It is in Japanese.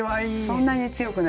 そんなに強くないでしょ。